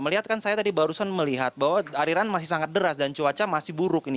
melihat kan saya tadi barusan melihat bahwa aliran masih sangat deras dan cuaca masih buruk ini